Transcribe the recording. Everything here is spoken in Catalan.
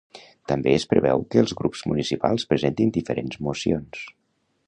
També es preveu que els grups municipals presentin diferents mocions.